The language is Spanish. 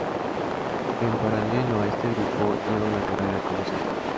En paralelo a este grupo, lleva una carrera como solista.